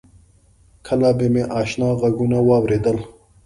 کله به مې آشنا غږونه واورېدل.